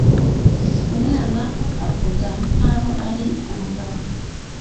Umwana avuga nkaho ari umugabo.